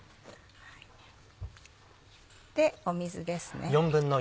水ですね。